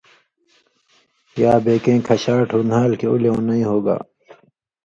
یا بے کېں کھشاٹ ہُو نھال کھیں اُو لېونئ ہُوگا